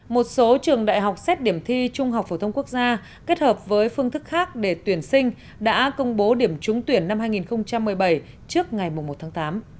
một số trường đại học xét điểm thi trung học phổ thông quốc gia kết hợp với phương thức khác để tuyển sinh đã công bố điểm trúng tuyển năm hai nghìn một mươi bảy trước ngày một tháng tám